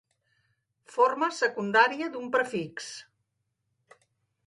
Forma secundària d'un prefix.